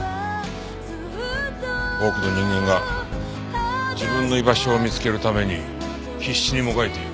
多くの人間が自分の居場所を見つけるために必死にもがいている。